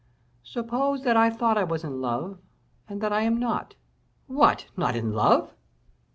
"Suppose that I thought I was in love, and that I am not." "What! not in love!"